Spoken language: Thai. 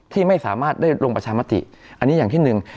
ที่ไม่สามารถได้ลงประชามติอันนี้อย่างที่หนึ่ง